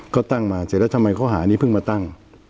ก็ตั้งมาเสร็จแล้วทำไมข้อหานี้เพิ่งมาตั้ง